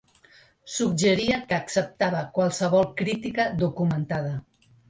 Suggeria que acceptava qualsevol crítica documentada.